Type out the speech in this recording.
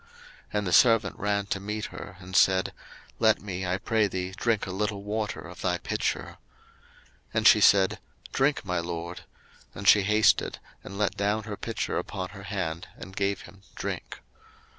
01:024:017 And the servant ran to meet her, and said, Let me, I pray thee, drink a little water of thy pitcher. 01:024:018 And she said, Drink, my lord: and she hasted, and let down her pitcher upon her hand, and gave him drink.